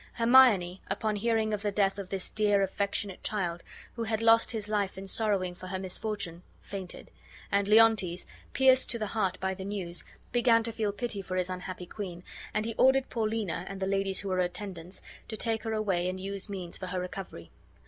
Hermione, upon hearing of the death of this dear, affectionate child, who had lost his life in sorrowing for her misfortune, fainted; and Leontes, pierced to the heart by the news, began to feel pity for his unhappy queen, and he ordered Paulina, and the ladies who were her attendants, to take her away and use means for her recovery.